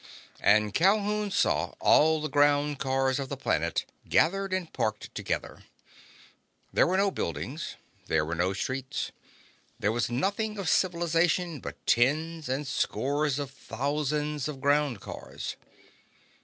And Calhoun saw all the ground cars of the planet gathered and parked together. There were no buildings. There were no streets. There was nothing of civilization but tens and scores of thousands of ground cars.